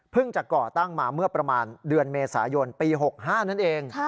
จะก่อตั้งมาเมื่อประมาณเดือนเมษายนปี๖๕นั่นเอง